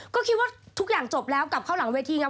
ก็คิดว่าทุกอย่างจบแล้วกลับเข้าหลังเวทีไง